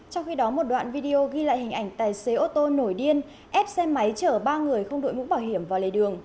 trong khi đó một đoạn video ghi lại hình ảnh tài xế ô tô nổi điên ép xe máy chở ba người không đội mũ bảo hiểm vào lề đường